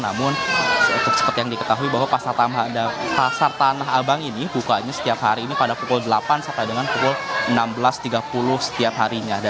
namun seperti yang diketahui bahwa pasar tanah abang ini bukanya setiap hari ini pada pukul delapan sampai dengan pukul enam belas tiga puluh setiap harinya